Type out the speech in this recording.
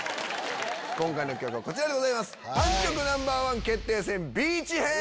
今回の企画はこちらでございます！